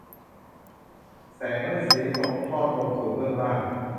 แสงและสีตกทอดลงสู่เบื้องล่าง